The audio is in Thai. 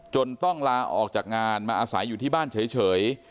ต้องลาออกจากงานมาอาศัยอยู่ที่บ้านเฉย